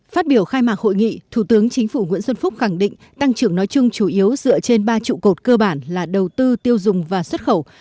phát biểu khai mạc hội nghị thủ tướng chính phủ nguyễn xuân phúc khẳng định tăng trưởng nói chung chủ yếu dựa trên ba trụ cột cơ bản là đầu tư tiêu dùng và xuất khẩu